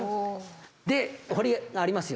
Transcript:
で堀がありますよ。